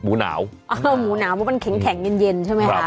อ๋อหมูหนาวเพราะว่ามันแข็งแข็งเย็นใช่ไหมคะ